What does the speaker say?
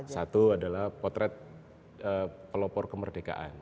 satu adalah potret pelopor kemerdekaan